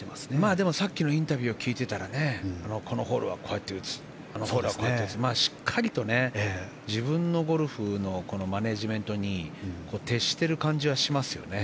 でもさっきのインタビューを聞いているとこのホールはこうやって打つってしっかりと自分のゴルフのマネジメントに徹している感じがしますね。